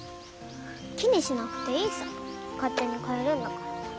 気にしなくていいさ勝手に帰るんだから。